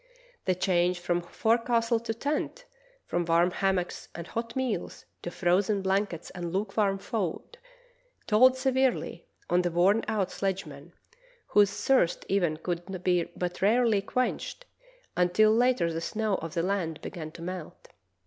The change from forecastle to tent, from warm hammocks and hot meals to frozen blankets and lukewarm food, told severely on the worn out sledgemen whose thirst even could be but rarely quenched until later the snow of the land began to melt.